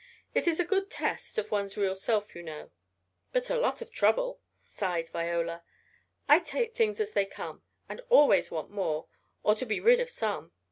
It is a good test of one's real self, you know." "But a lot of trouble," sighed Viola. "I take things as they come and always want more, or to be rid of some.